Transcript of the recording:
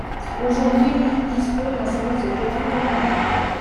Aujourd’hui, l'île dispose d'un service de ferry régulier.